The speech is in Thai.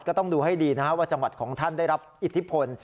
ก็ต้องดูให้ดีนะครับว่าจังหวัดของท่านได้รับอิทธิพล